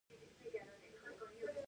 افغانستان د هوایي دهلیز مرکز دی؟